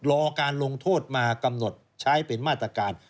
รอการลงโทษมากำหนดใช้เป็นมาตรการ